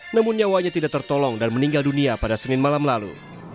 namun nyawanya tidak tertolong dan meninggal dunia pada senin malam lalu